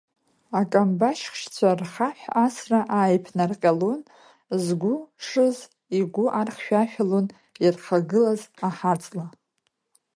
Акамбашьхьшьцәа рхаҳә асра ааиԥнаҟьалон, згәы шыз игәы архьшәашәалон, ирхагылаз аҳа-ҵла…